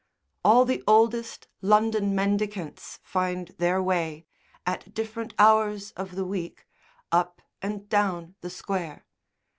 All the oldest London mendicants find their way, at different hours of the week, up and down the Square.